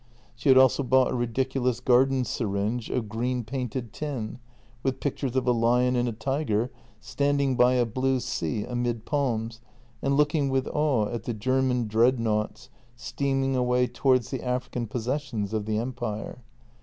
She had also bought a ridiculous garden syringe of green painted tin, with pictures of a lion and a tiger, standing by a blue sea amid palms and looking with awe at the German dreadnoughts steaming away towards the African possessions of the Empire.